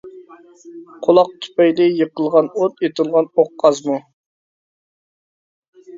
قۇلاق تۈپەيلى يېقىلغان ئوت، ئېتىلغان ئوق ئازمۇ؟ !